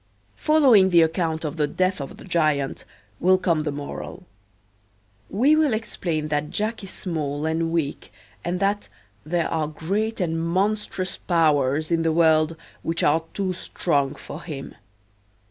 Following the account of the death of the giant will come the moral. We will explain that Jack is small and weak and that there are great and monstrous powers in the world which are too strong for him.